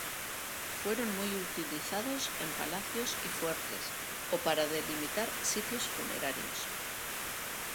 Fueron muy utilizados en palacios y fuertes, o para delimitar sitios funerarios.